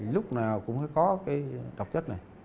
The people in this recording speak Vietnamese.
lúc nào cũng có cái độc chất này